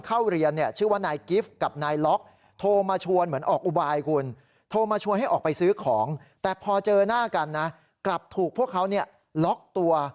กลับถูกที่พวกเขาล็อคตัว